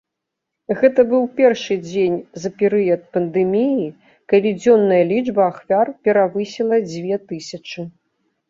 Гэта быў першы дзень за перыяд пандэміі, калі дзённая лічба ахвяр перавысіла дзве тысячы.